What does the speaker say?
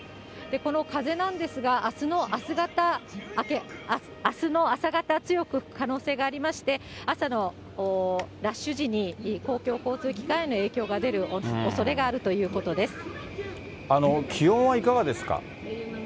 この風なんですが、あすの朝方、強く吹く可能性がありまして、朝のラッシュ時に公共交通機関への影響が出るおそれがあるという気温はいかがですか。